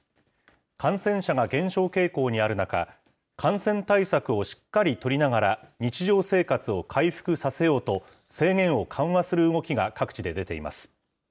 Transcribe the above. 感染者が減少傾向にある中、感染対策をしっかり取りながら日常生活を回復させようと、制限を緩和する動きが各地で出ています。